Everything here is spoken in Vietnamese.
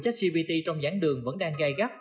jack gpt trong giảng đường vẫn đang gai gấp